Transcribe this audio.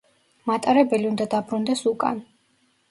მატარებელი უნდა დაბრუნდეს უკან.